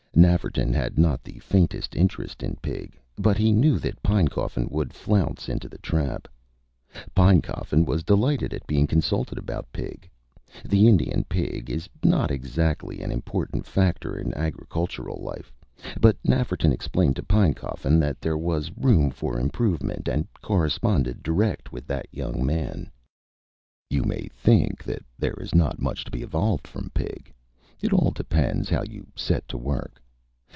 Nafferton had not the faintest interest in Pig, but he knew that Pinecoffin would flounce into the trap. Pinecoffin was delighted at being consulted about Pig. The Indian Pig is not exactly an important factor in agricultural life; but Nafferton explained to Pinecoffin that there was room for improvement, and corresponded direct with that young man. You may think that there is not much to be evolved from Pig. It all depends how you set to work.